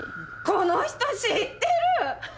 この人知ってる！